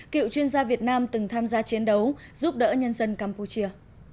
cựu chuyên gia việt nam từng tham gia chiến đấu giúp đỡ nhân dân campuchia